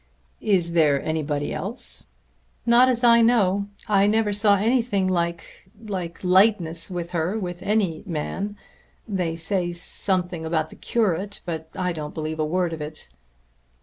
"Is there anybody else?" asked Morton. "Not as I know. I never saw anything like like lightness with her, with any man. They said something about the curate but I don't believe a word of it."